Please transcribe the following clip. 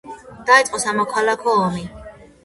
დაიწყო სამოქალაქო ომი.